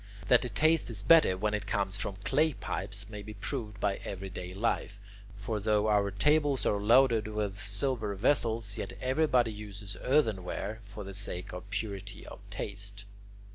That the taste is better when it comes from clay pipes may be proved by everyday life, for though our tables are loaded with silver vessels, yet everybody uses earthenware for the sake of purity of taste.